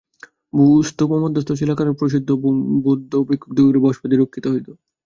স্তূপমধ্যস্থ শিলাকরণ্ডমধ্যে প্রসিদ্ধ বৌদ্ধ ভিক্ষুকদিগের ভস্মাদি রক্ষিত হইত।